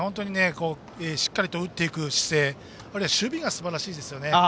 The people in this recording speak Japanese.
しっかりと打っていく姿勢あるいは、守備がすばらしいです。